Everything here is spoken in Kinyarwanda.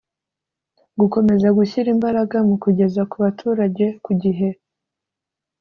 gukomeza gushyira imbaraga mu kugeza ku baturage ku gihe